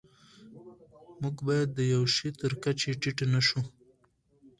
موږ باید د یوه شي تر کچې ټیټ نشو.